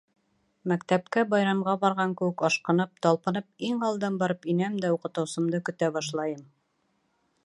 Мәктәпкә байрамға барған кеүек ашҡынып, талпынып иң алдан барып инәм дә уҡытыусымды көтә башлайым.